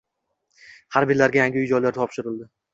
Harbiylarga yangi uy-joylar topshirildi